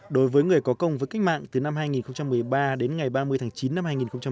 đối với người có công với cách mạng từ năm hai nghìn một mươi ba đến ngày ba mươi tháng chín năm hai nghìn một mươi chín